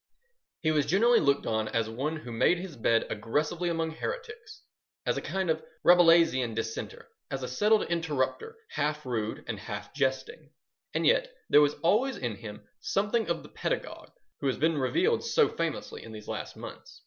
He was generally looked on as one who made his bed aggressively among heretics, as a kind of Rabelaisian dissenter, as a settled interrupter, half rude and half jesting. And yet there was always in him something of the pedagogue who has been revealed so famously in these last months.